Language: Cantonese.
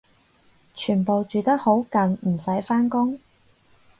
全部住得好近唔使返工？